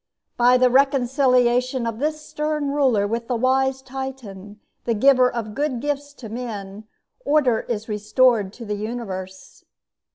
By the reconciliation of this stern ruler with the wise Titan, the giver of good gifts to men, order is restored to the universe.